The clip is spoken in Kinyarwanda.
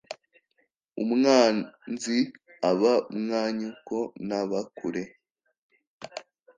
Umwan zi aba mwa nyoko ntaba kure.